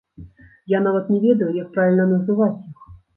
Я нават не ведаю, як правільна называць іх.